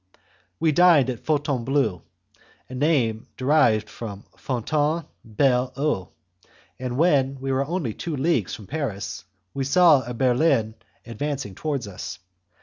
We dined at Fontainebleau, a name derived from Fontaine belle eau; and when we were only two leagues from Paris we saw a berlin advancing towards us.